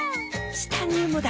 チタニウムだ！